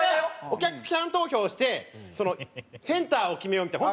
お客さん投票をしてセンターを決めようみたいな。